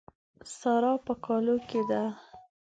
سارا په کالو کې ده.